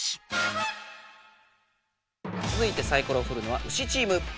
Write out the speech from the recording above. つづいてサイコロをふるのはウシチーム。